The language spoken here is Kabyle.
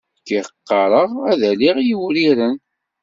Kiɣ qqareɣ ad aliɣ l yiwriren.